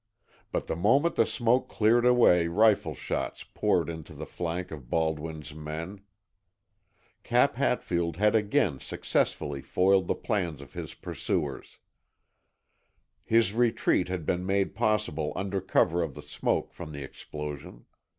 But the moment the smoke cleared away rifle shots poured into the flank of Baldwin's men. Cap Hatfield had again successfully foiled the plans of his pursuers. His retreat had been made possible under cover of the smoke from the explosion.